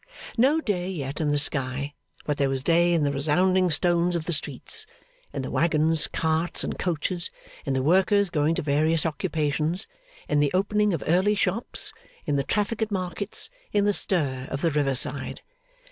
No day yet in the sky, but there was day in the resounding stones of the streets; in the waggons, carts, and coaches; in the workers going to various occupations; in the opening of early shops; in the traffic at markets; in the stir of the riverside.